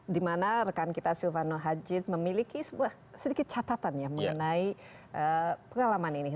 di mana rekan kita silvano haji memiliki sedikit catatan ya mengenai pengalaman ini